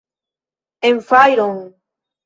En fajron!